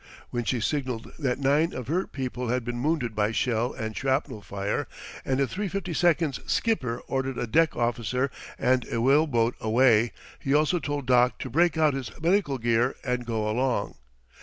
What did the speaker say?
When she signalled that nine of her people had been wounded by shell and shrapnel fire, and the 352's skipper ordered a deck officer and a whale boat away, he also told Doc to break out his medical gear and go along.